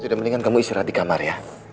sudah mendingan kamu istirahat dikamar ya